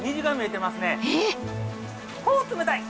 ほう冷たい！